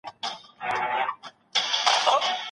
ړوند ډاکټر ولي په ګڼ ځای کي اوږده کیسه کوي؟